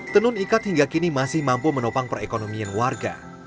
tenun ikat hingga kini masih mampu menopang perekonomian warga